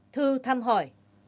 thư thăm hỏi